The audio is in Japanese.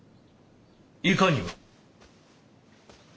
いかにも。